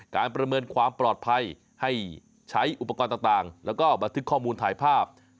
ประเมินความปลอดภัยให้ใช้อุปกรณ์ต่างแล้วก็บันทึกข้อมูลถ่ายภาพ